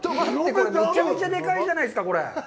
これ、めちゃめちゃでかいじゃないですか、これ。